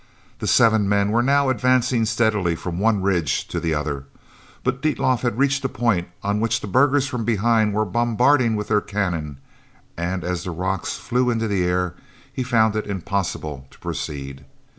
The seven men were now advancing steadily from one ridge to the other, but Dietlof had reached a point on which the burghers from behind were bombarding with their cannon, and as the rocks flew into the air he found it impossible to proceed.